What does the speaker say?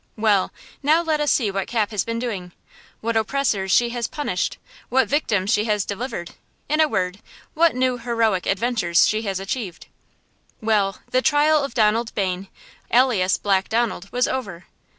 Well, now let us see what Cap has been doing–what oppressors she has punished–what victims she has delivered–in a word, what new heroic adventures she has achieved. Well, the trial of Donald Bayne, alias Black Donald, was over.